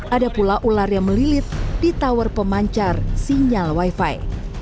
ada pula ular yang melilit di tower pemancar sinyal wifi